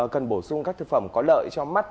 cần bổ sung các thực phẩm có lợi cho mắt